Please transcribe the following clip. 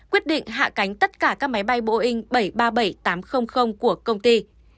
quyết định hạ cánh tất cả các máy bay boeing bảy trăm ba mươi bảy tám trăm linh của công ty